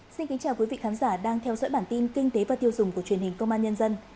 xin kính chào quý vị khán giả đang theo dõi bản tin kinh tế và tiêu dùng của truyền hình công an nhân dân